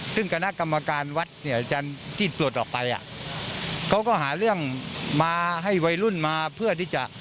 ซึ่งคณะกรรมการวัดเนี่ยอาจารย์ที่ปลดออกไปอ่ะเขาก็หาเรื่องมาให้วัยรุ่นมาเพื่อที่จะ